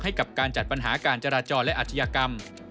ให้กับการจัดปัญหาการจราจรและอาชญากรรม